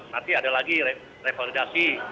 nanti ada lagi revalidasi